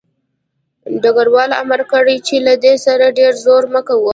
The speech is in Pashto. ډګروال امر کړی چې له ده سره ډېر زور مه کوئ